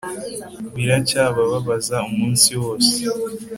biracyababaza umunsi wose